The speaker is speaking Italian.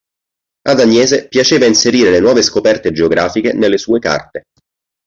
Ad Agnese piaceva inserire le nuove scoperte geografiche nelle sue carte.